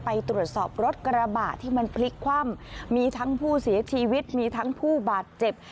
ไปตรวจสอบรถกระบะที่มันพลิกคว่ำมีทั้งผู้เสียชีวิตมีทั้งผู้บาดเจ็บ